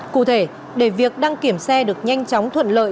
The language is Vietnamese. cụ thể để việc đăng kiểm xe được nhanh chóng thuận lợi